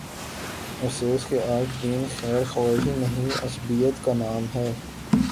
افسوس کہ آج دین خیر خواہی نہیں، عصبیت کا نام ہے۔